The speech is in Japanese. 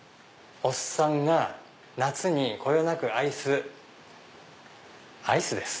おっさんが夏にこよなく愛すアイスです。